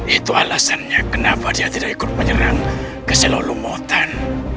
itu alasannya kenapa dia tidak ikut menyerang ke selalu motan